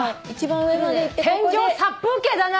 天井殺風景だな